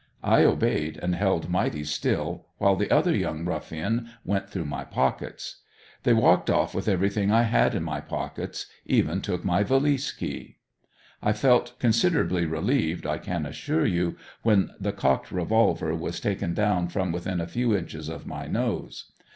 I obeyed and held mighty still while the other young ruffian went through my pockets. They walked off with everything I had in my pockets, even took my valise key. I felt considerably relieved, I can assure you, when the cocked revolver was taken down from within a few inches of my nose.